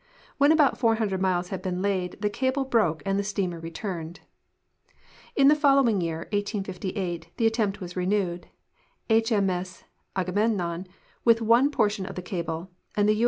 When about 400 miles had been laid, the cable broke and the steamer returned. In the following 3'ear, 1858, the attempt was renewed, H. ]\I. S. Aga memnon, with one portion of the cable, and the U.